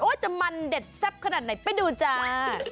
จะมันเด็ดแซ่บขนาดไหนไปดูจ้า